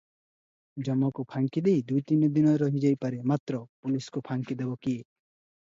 ଯମକୁ ଫାଙ୍କିଦେଇ ଦୁଇ ତିନିଦିନ ରହିଯାଇପାରେ; ମାତ୍ର ପୁଲିସ୍କୁ ଫାଙ୍କିଦେବ କିଏ?